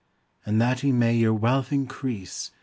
I And that he may your wealth increase